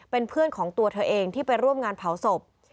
เป็นเพื่อนของตัวเธอเองที่ไปร่วมงานเผาศพ